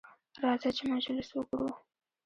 راځئ چې مجلس وکړو.